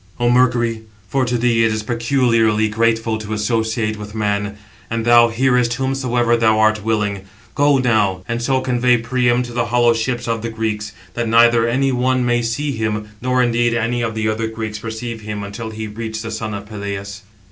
"O Mercury (for to thee it is peculiarly grateful to associate with man, and thou hearest whomsoever thou art willing), go now, and so convey Priam to the hollow ships of the Greeks, that neither any one may see him, nor indeed any of the other Greeks perceive him until he reach the son of Peleus."